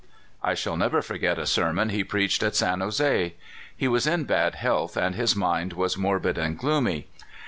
I shall never forget a sermon he preached at San Jose. He was in bad health, and his mind was morbid and gloomy.